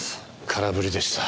空振りでした。